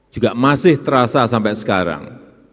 juga masih terasa sampai sekarang